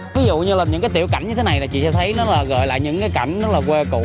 ví dụ như là những cái tiểu cảnh như thế này là chị thấy nó là gọi là những cái cảnh nó là quê cũ